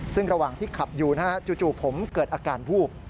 ซึ่งระหว่างที่ขับอยู่จู่ผมเกิดอาการวูบ